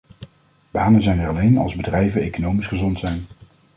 Banen zijn er alleen als bedrijven economisch gezond zijn.